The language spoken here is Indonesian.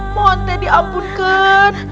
mohon teh diampunkan